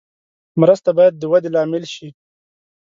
مرسته باید د ودې لامل شي.